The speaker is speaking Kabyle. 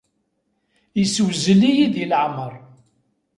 Issewzel-iyi di leɛmer.